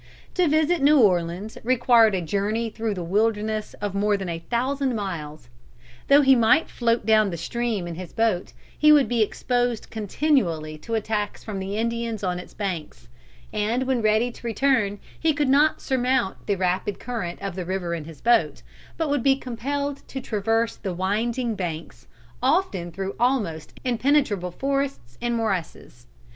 To visit New Orleans required a journey through the wilderness of more than a thousand miles. Though he might float down the stream in his boat he would be exposed continually to attacks from the Indians on its banks, and when ready to return he could not surmount the rapid current of the river in his boat, but would be compelled to traverse the winding banks, often through almost impenetrable forests and morasses.